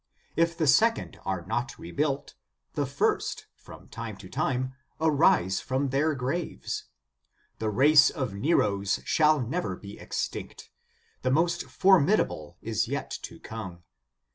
If the second are not rebuilt, the first, from time to time, arise from their graves. The race of Neros shall never be extinct ; the most for midable is yet to come.